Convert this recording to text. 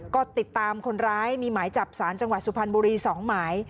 ก็ติดตามคนร้ายมีหมายจับสารจังหวัดสุพรรณบุรี๒หมาย